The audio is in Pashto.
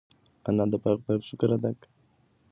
انا د خدای پاک شکر ادا کړ.